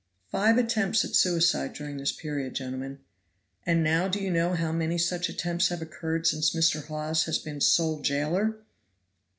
Five attempts at suicide during this period, gentlemen. And now do you know how many such attempts have occurred since Mr. Hawes has been sole jailer?"